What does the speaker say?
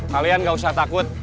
kalian gak usah takut